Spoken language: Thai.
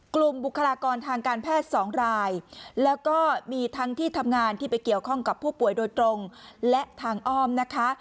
บุคลากรทางการแพทย์สองรายแล้วก็มีทั้งที่ทำงานที่ไปเกี่ยวข้องกับผู้ป่วยโดยตรงและทางอ้อมนะคะ